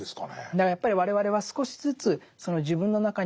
だからやっぱり我々は少しずつその自分の中にあるコトバ